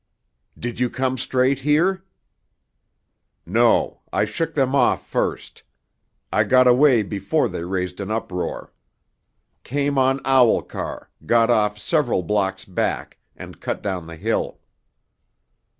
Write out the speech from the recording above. "Did you come straight here?" "No. I shook them off first. I got away before they raised an uproar. Came on owl car, got off several blocks back, and cut down the hill."